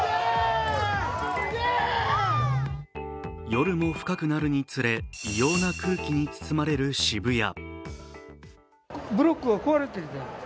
夜も深くなるにつれ、異様な空気に包まれる渋谷。